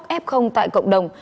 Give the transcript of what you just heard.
chăm sóc f tại cộng đồng